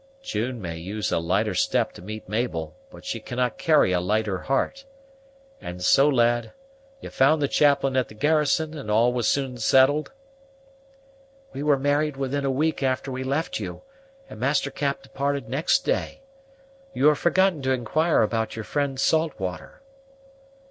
"June may use a lighter step to meet Mabel, but she cannot carry a lighter heart. And so, lad, you found the chaplain at the garrison, and all was soon settled?" "We were married within a week after we left you, and Master Cap departed next day. You have forgotten to inquire about your friend Saltwater."